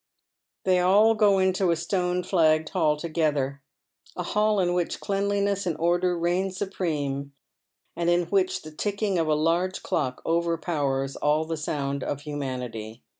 They all go into a stone flagged hall together ., nail in which cleanliness and order reign supreme, and in ^*^ch the ticking of a large clock overpowers all the sound of humanity.